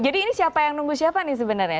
jadi ini siapa yang nunggu siapa nih sebenarnya